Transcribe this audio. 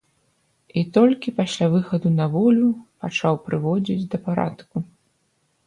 І толькі пасля выхаду на волю пачаў прыводзіць да парадку.